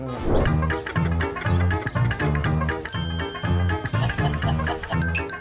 กลับมานั่นนะ